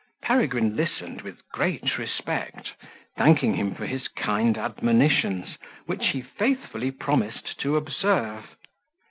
Peregrine listened with great respect, thanking him for his kind admonitions, which he faithfully promised to observe.